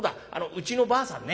うちのばあさんね